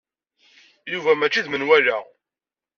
Yuba mačči d menwala.